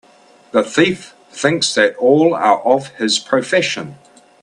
The thief thinks that all are of his profession